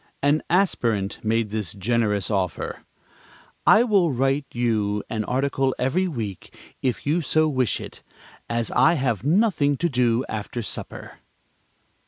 An aspirant made this generous offer: "I will write you an article every week if you so wish it, as I have nothing to do after supper."